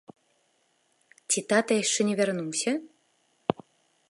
Ці тата яшчэ не вярнуўся?